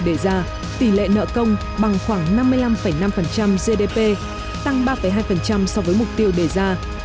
để ra tỷ lệ nợ công bằng khoảng năm mươi năm năm gdp tăng ba hai so với mục tiêu đề ra